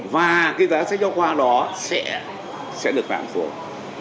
và cái giá sách giao khoa đó sẽ được tăng xuống